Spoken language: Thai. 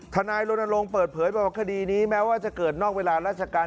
นายรณรงค์เปิดเผยบอกว่าคดีนี้แม้ว่าจะเกิดนอกเวลาราชการ